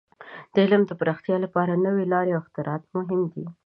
د علم د پراختیا لپاره نوې لارې او اختراعات مهم دي.